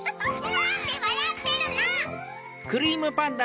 なんでわらってるの！